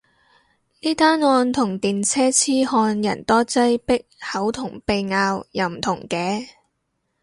呢單案同電車痴漢人多擠迫口同鼻拗又唔同嘅